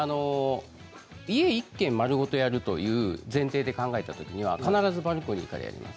家、１軒丸ごとやるという前提で考えたときには必ずバルコニーでやります。